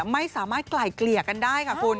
ไม่สามารถไกล่เกลี่ยกันได้ค่ะคุณ